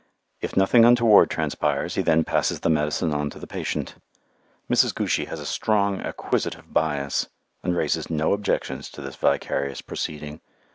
If nothing untoward transpires, he then passes the medicine on to the patient. Mrs. Goochy has a strong acquisitive bias, and raises no objections to this vicarious proceeding.